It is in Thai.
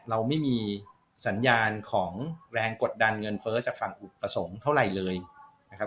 เราไม่มีสัญญาณของแรงกดดันเงินเฟ้อจากฝั่งอุปสรรคเท่าไหร่เลยนะครับ